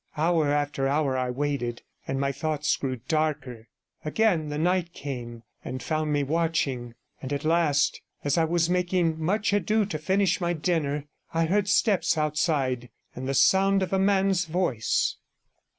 Hour after hour I waited, and my thoughts grew darker; again the night came and found me watching, and at last, as I was making much ado to finish my dinner, I heard steps outside and the sound of a man's voice.